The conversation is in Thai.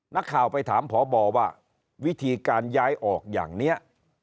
นักข่าวไปถามพบว่าวิธีการย้ายออกอย่างนี้